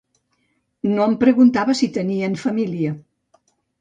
No em preguntava si tenien família.